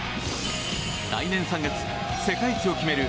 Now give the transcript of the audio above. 来年３月、世界一を決める